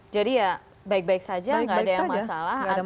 jadi ya baik baik saja tidak ada masalah